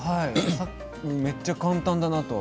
めっちゃ簡単だなと。